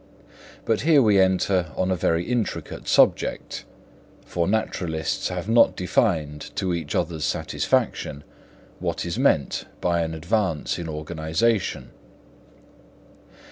But here we enter on a very intricate subject, for naturalists have not defined to each other's satisfaction what is meant by an advance in organisation.